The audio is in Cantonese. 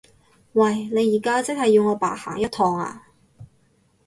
喂！你而家即係要我白行一趟呀？